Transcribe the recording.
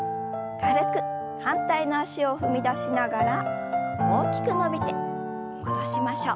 反対の脚を踏み出しながら大きく伸びて戻しましょう。